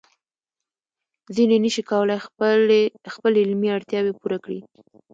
ځینې نشي کولای خپل علمي اړتیاوې پوره کړي.